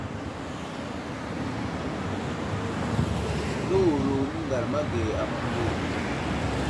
Nəwuro nəŋgar ama ge a maŋyo.